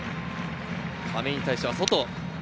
亀井に対しては外。